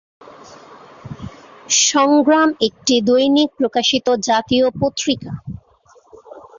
সংগ্রাম একটি দৈনিক প্রকাশিত জাতীয় পত্রিকা।